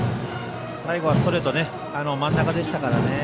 最後はストレート真ん中でしたからね。